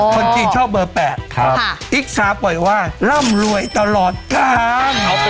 คนจีนชอบเบอร์๘ติ๊กซาปล่อยว่าร่ำรวยตลอดการ